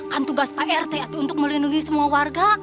kan tugas pak rt itu untuk melindungi semua warga